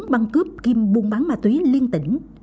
băng cướp kim buôn bán ma túy liên tỉnh